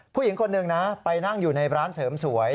ผู้หญิงคนหนึ่งนะไปนั่งอยู่ในร้านเสริมสวย